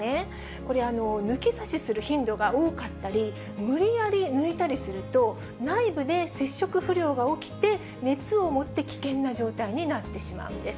これ、抜き差しする頻度が多かったり、無理やり抜いたりすると、内部で接触不良が起きて、熱を持って危険な状態になってしまうんです。